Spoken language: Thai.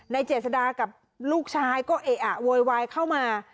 เจษดากับลูกชายก็เอะอะโวยวายเข้ามา